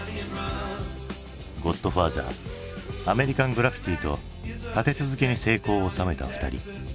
「ゴッドファーザー」「アメリカン・グラフィティ」と立て続けに成功を収めた２人。